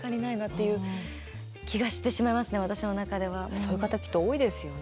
そういう方きっと多いですよね。